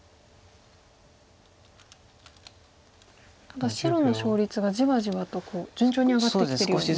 ただ白の勝率がじわじわと順調に上がってきてるように。